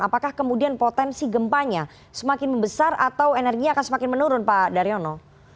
apakah kemudian potensi gempanya semakin membesar atau energinya akan semakin menurun pak daryono